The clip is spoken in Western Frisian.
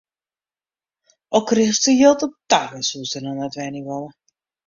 Al krigest der jild op ta, dan soest der noch net wenje wolle.